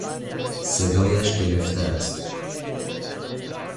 صدایش گرفته است.